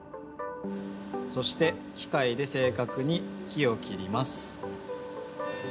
そしてきかいで正かくに木を切ります。